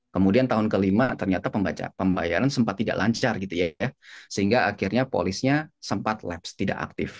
kemudian tahun kelima ternyata pembayaran sempat tidak lancar gitu ya sehingga akhirnya polisnya sempat laps tidak aktif